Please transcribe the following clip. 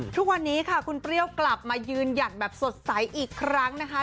ทุกวันนี้ค่ะคุณเปรี้ยวกลับมายืนหยัดแบบสดใสอีกครั้งนะคะ